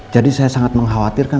jadi saya sangat mengkhawatirkan